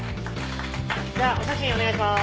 じゃあお写真お願いします。